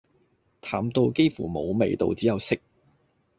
淡到幾乎無味道只有色